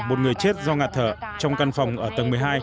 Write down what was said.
một người chết do ngạt thở trong căn phòng ở tầng một mươi hai